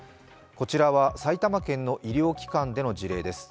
こちらは埼玉県の医療機関での事例です